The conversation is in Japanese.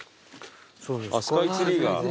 スカイツリーが。